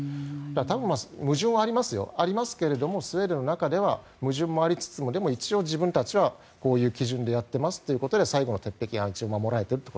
多分矛盾はありますがスウェーデンの中では矛盾はありつつもでも、一応自分たちはこういう基準でやっていますということで最後の鉄壁が守られていると。